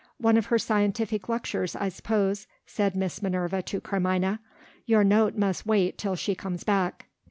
"One of her scientific lectures, I suppose," said Miss Minerva to Carmina. "Your note must wait till she comes back."